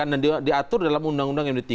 dan diatur dalam undang undang md tiga